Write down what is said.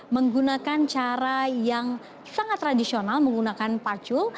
menggunakan cara yang sangat tradisional menggunakan parcul